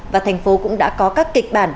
và thành phố cũng đã có các kịch bản